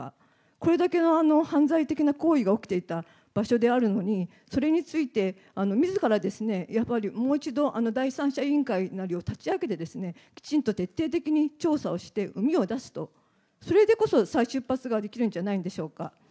これだけの犯罪的な行為が起きていた場所であるのに、それについてみずからやっぱりもう一度第三者委員会なりを立ち上げてですね、きちんと徹底的に調査をして、うみを出すと、それでこそ再出発ができるんじゃないでしょうか。